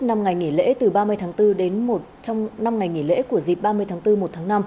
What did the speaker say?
năm ngày nghỉ lễ từ ba mươi tháng bốn đến một trong năm ngày nghỉ lễ của dịp ba mươi tháng bốn một tháng năm